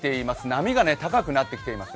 波が高くなってきています。